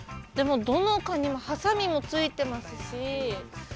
でもどのカニもはさみもついてますし。